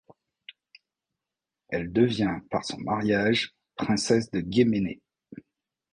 Elle devient, par son mariage, princesse de Guéméné.